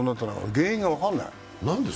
原因が分かんない。